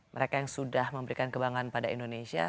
mereka yang sudah memberikan kebanggaan pada indonesia